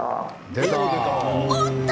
おおっと！